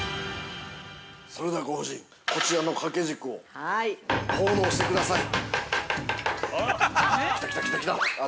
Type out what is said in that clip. ◆それではご夫人、こちらの掛け軸を奉納してください。